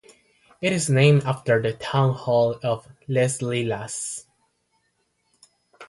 It is named after the town hall of "Les Lilas".